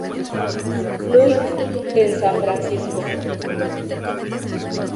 Luke's en San Francisco.